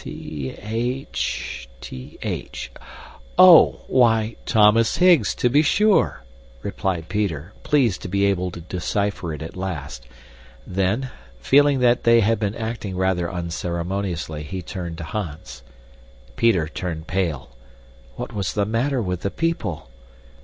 "T.H. T.H. Oh! Why, Thomas Higgs, to be sure," replied Peter, pleased to be able to decipher it at last. Then, feeling that they had been acting rather unceremoniously, he turned to Hans. Peter turned pale! What was the matter with the people?